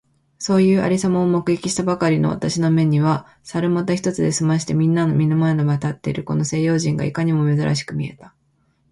そういう有様を目撃したばかりの私の眼めには、猿股一つで済まして皆みんなの前に立っているこの西洋人がいかにも珍しく見えた。